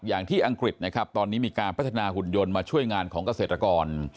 อังกฤษนะครับตอนนี้มีการพัฒนาหุ่นยนต์มาช่วยงานของเกษตรกร